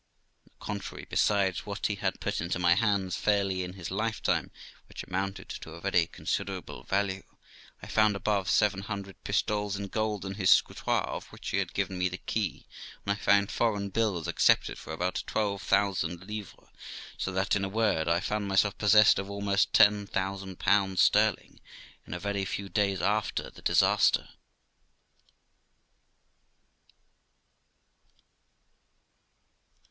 On the ; contrary, besides what he had put into my hands fairly in his lifetime, : which amounted to a very considerable value, I found above seven hundred Fistoles in gold in his scrutoire, of which he had given me the key; and found foreign bills accepted for about twelve thousand livres ; so that, in a word, I found myself possessed of almost ten thousand pounds sterling in a very few days after the disaster.